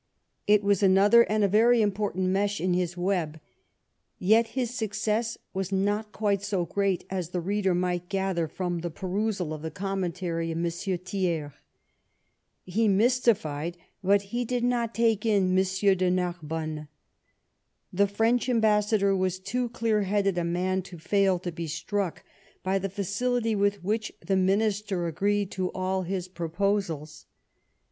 It was another and a very important mesh in his web. Yet his success was not quite so great as the reader mig lit gather from the perusal of the commentary of M. Thiers. He mystified, but he did not take in M. de Narbonne. The French ambassador was too clear headed a man to fail to be struck by the facility with which the Minister agreed to all his proposals.